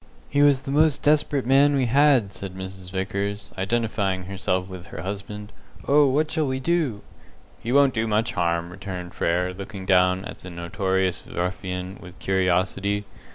"He was the most desperate man we had," said Mrs. Vickers, identifying herself with her husband. "Oh, what shall we do?" "He won't do much harm," returned Frere, looking down at the notorious ruffian with curiosity.